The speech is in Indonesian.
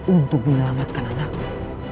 untuk menyelamatkan anakmu